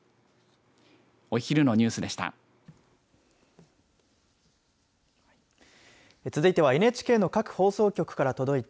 お昼のニュースでした。